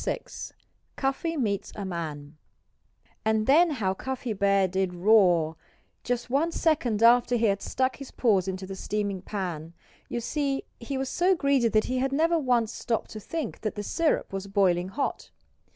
VI CUFFY MEETS A MAN And then how Cuffy Bear did roar just one second after he had stuck his paws into the steaming pan. You see he was so greedy that he had never once stopped to think that the syrup was boiling hot.